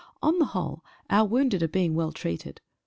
On the whole our wounded are being well treated.